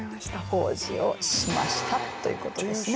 「工事をしました」ということですね。